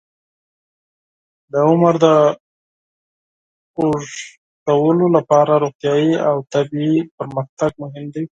د عمر د اوږدولو لپاره روغتیايي او طبي پرمختګ مهم دی.